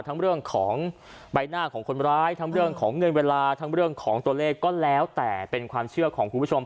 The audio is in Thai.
ทั้งเรื่องของใบหน้าของคนร้ายทั้งเรื่องของเงินเวลาทั้งเรื่องของตัวเลขก็แล้วแต่เป็นความเชื่อของคุณผู้ชม